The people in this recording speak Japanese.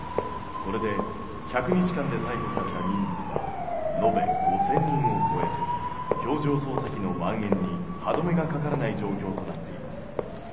これで１００日間で逮捕された人数は延べ５，０００人を超え表情操作機のまん延に歯止めがかからない状況となっています。